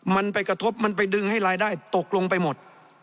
มันไปกระทบมันไปดึงให้รายได้ตกลงไปหมด